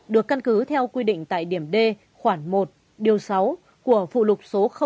được căn cứ theo quy định tại điểm d khoảng một điều sáu của phụ lục số hai